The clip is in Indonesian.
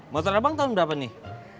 motornya bang tahun berapa nih